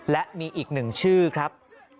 และมีอีกหนึ่งชื่อครับ